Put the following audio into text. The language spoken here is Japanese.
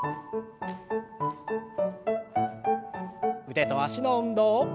腕と脚の運動。